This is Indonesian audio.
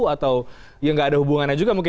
atau ya nggak ada hubungannya juga mungkin